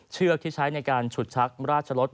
เชือกที่ใช้ในการฉุดชักราชรส